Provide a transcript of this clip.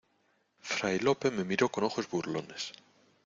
fray Lope me miró con ojos burlones: